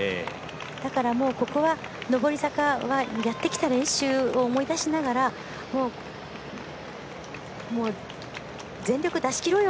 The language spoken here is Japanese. だから、ここは上り坂は、やってきた練習を思い出しながら全力、出しきろうよ！